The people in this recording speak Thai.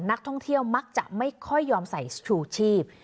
นักท่องเที่ยวมักจะไม่ค่อยยอมใส่ชูชีพ